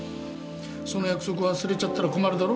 その約束忘れちゃったら困るだろ？